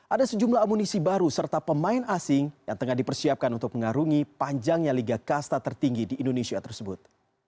ada sejumlah amunisi baru serta pemain asing yang tengah dipersiapkan untuk mengarungi panjangnya liga kasta tertinggi di indonesia tersebut